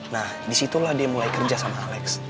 nah disitulah dia mulai kerja sama alex